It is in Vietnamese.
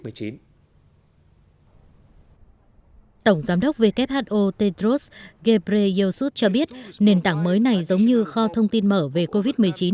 tổng giám đốc who tedros ghebreyesus cho biết nền tảng mới này giống như kho thông tin mở về covid một mươi chín